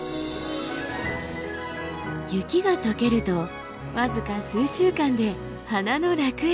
雪が解けると僅か数週間で花の楽園に。